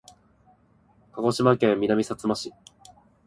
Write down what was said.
鹿児島県南さつま市